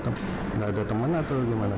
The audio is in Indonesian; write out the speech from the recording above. tidak ada teman atau gimana